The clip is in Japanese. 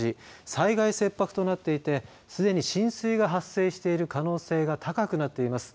災害切迫となっていてすでに浸水が発生している可能性が高くなっています。